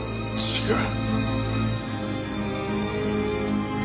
違う！